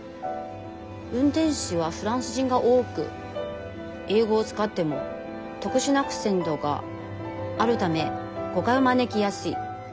運転士はフランス人が多く英語を使っても特殊なアクセントがあるため誤解を招きやすい。